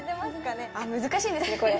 難しいですね、これ。